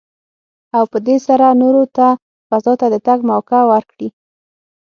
او په دې سره نورو ته فضا ته د تګ موکه ورکړي.